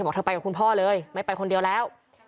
บอกเธอไปกับคุณพ่อเลยไม่ไปคนเดียวแล้ว